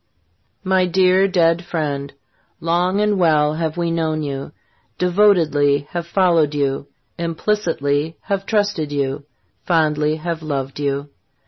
My dear, dead friend, long and well have we known you, devotedly have followed you, implicitly have trusted you, fondly have loved you.